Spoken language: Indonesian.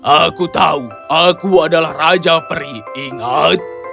aku tahu aku adalah raja peri ingat